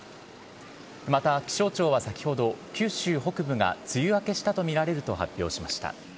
また、気象庁は先ほど、九州北部が梅雨明けしたと見られると発表しました。